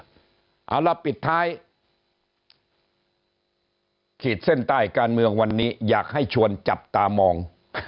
เอาละปิดท้ายขีดเส้นใต้การเมืองวันนี้อยากให้ชวนจับตามอง